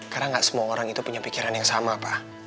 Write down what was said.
karena gak semua orang itu punya pikiran yang sama pak